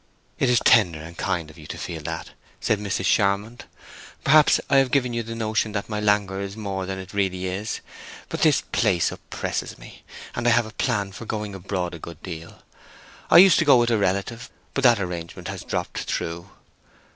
"It is tender and kind of you to feel that," said Mrs. Charmond. "Perhaps I have given you the notion that my languor is more than it really is. But this place oppresses me, and I have a plan of going abroad a good deal. I used to go with a relative, but that arrangement has dropped through."